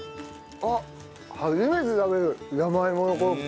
初めて食べる山芋のコロッケ。